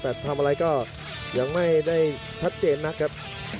แต่ทำอะไรก็ยังไม่ได้ชัดเจนนักครับ